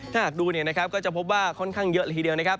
ถ้าหากดูก็จะพบว่าค่อนข้างเยอะละทีเดียว